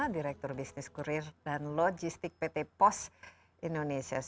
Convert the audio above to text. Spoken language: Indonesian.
direktur bisnis kurir dan logistik pt pos indonesia